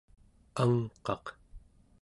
angqaq